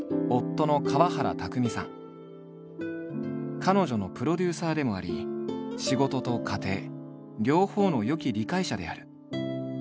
それが彼女のプロデューサーでもあり仕事と家庭両方の良き理解者である。